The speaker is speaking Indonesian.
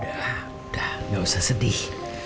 udah udah gak usah sedih